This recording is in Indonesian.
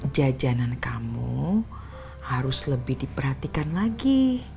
jajanan kamu harus lebih diperhatikan lagi